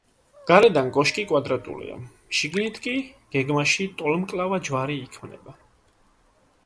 გარედან კოშკი კვადრატულია, შიგნით კი, გეგმაში ტოლმკლავა ჯვარი იქმნება.